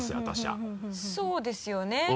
私はそうですよね。